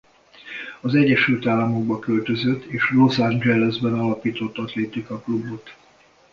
Az Egyesült Államokba költözött és Los Angelesben alapított atlétika klubot.